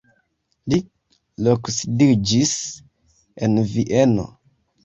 Li loksidiĝis en Vieno.